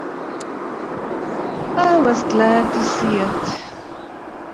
I was glad to see it.